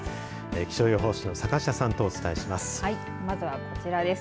気象予報士の坂下さんとお伝えします。